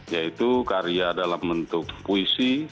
yaitu karya dalam bentuk puisi